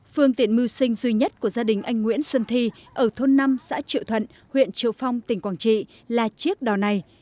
phương tiện mưu sinh duy nhất của gia đình anh nguyễn xuân thi ở thôn năm xã triệu thuận huyện triệu phong tỉnh quảng trị là chiếc đò này